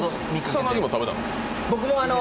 草薙も食べたの？